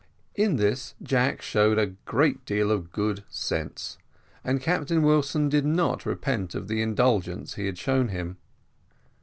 In this Jack showed a great deal of good sense, and Captain Wilson did not repent of the indulgence he had shown him.